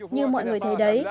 nhưng mọi người thấy đấy